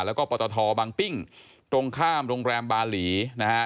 แล้วก็ปตทบางปิ้งตรงข้ามโรงแรมบาหลีนะฮะ